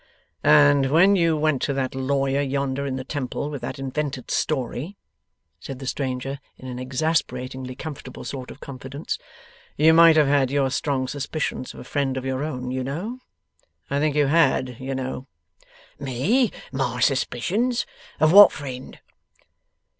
'And when you went to that lawyer yonder in the Temple with that invented story,' said the stranger, in an exasperatingly comfortable sort of confidence, 'you might have had your strong suspicions of a friend of your own, you know. I think you had, you know.' 'Me my suspicions? Of what friend?